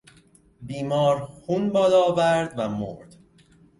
بیمار خون بالا آورد و مرد.